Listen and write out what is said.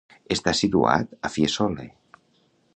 Està situat a Fiesole.